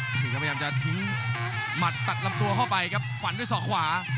พยายามจะทิ้งหมัด๘ลำตัวเข้าไปครับฝันด้วยศอกขวา